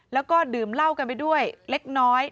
แล้วก็ดื่มเหล้ากันไปด้วยเล็กน้อย